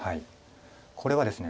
これはですね